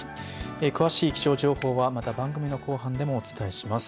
詳しい気象情報はまた番組の後半でもお伝えします。